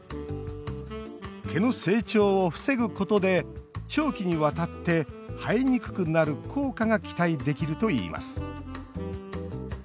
毛の成長を防ぐことで長期にわたって生えにくくなる効果が期待できるといいます。